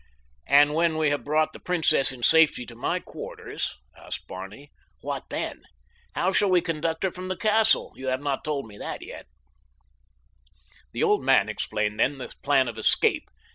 "And when we have brought the princess in safety to my quarters," asked Barney, "what then? How shall we conduct her from the castle? You have not told me that as yet." The old man explained then the plan of escape.